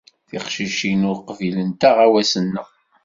Tiqcicin ur qbilent aɣawas-nneɣ.